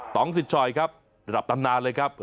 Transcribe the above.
ต้องสิทชอยครับระดับตำนานเลยครับ